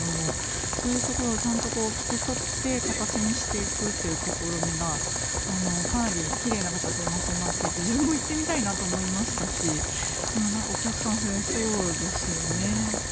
そういうところをちゃんと聞きとって形にしていくという試みがかなり奇麗な形でまとまっていて自分も行ってみたいなと思いましたしお客さん増えそうですよね。